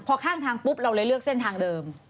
พอข้างทางปุ๊บเราเลยเลือกเส้นทางเดิม